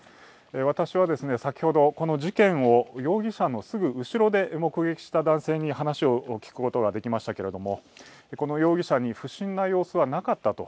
私は先ほどこの事件を、容疑者のすぐ後ろで目撃した男性に話を聞くことができましたけれども、容疑者に不審な様子はなかったと。